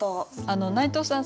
内藤さん